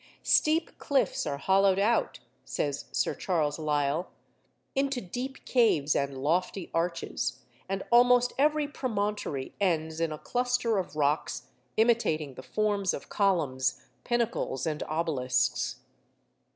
'Steep cliffs are hollowed out,' says Sir Charles Lyell, 'into deep caves and lofty arches; and almost every promontory ends in a cluster of rocks imitating the forms of columns, pinnacles, and obelisks.